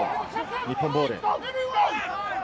日本ボール。